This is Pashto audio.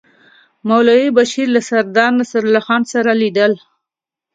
مولوي بشیر له سردار نصرالله خان سره لیدل.